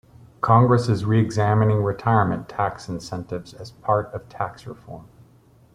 Congress is reexamining retirement tax incentives as part of tax reform.